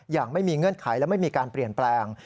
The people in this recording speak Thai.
อย่างไม่มีเงื่อนไขและไม่มีการเปลี่ยนแปลง